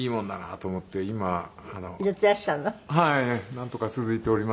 なんとか続いております。